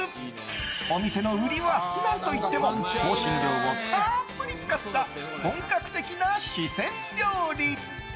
お店の売りは、何といっても香辛料をたっぷり使った本格的な四川料理。